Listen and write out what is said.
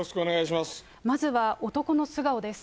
まずは男の素顔です。